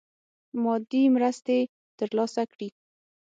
مادي مرستي تر لاسه کړي.